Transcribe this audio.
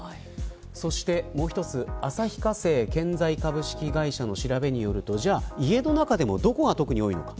そしてもう一つ旭化成建材株式会社の調べによると家の中でもどこが特に多いのか。